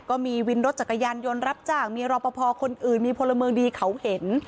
ก็มีวินรถจักรยานยนต์รับจ้างมีรอปภคนอื่นมีพลเมืองดีเขาเห็น